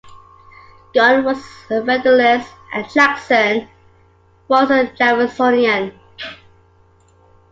Gunn was a Federalist, and Jackson was a Jeffersonian.